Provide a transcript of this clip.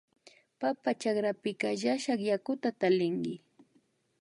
Papa chakrapika llashak yakuta tallinki